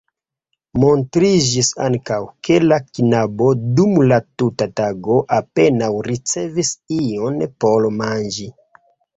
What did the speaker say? Montriĝis ankaŭ, ke la knabo dum la tuta tago apenaŭ ricevis ion por manĝi.